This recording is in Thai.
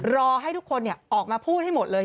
รอให้ทุกคนออกมาพูดให้หมดเลย